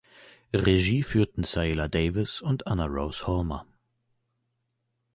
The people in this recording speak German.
Regie führten Saela Davis und Anna Rose Holmer.